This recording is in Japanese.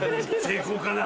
成功かな？